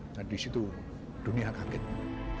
nah disitu dunia akan kejar